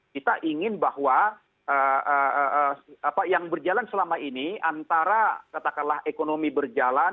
kita ingin bahwa apa yang berjalan selama ini antara katakanlah ekonomi berjalan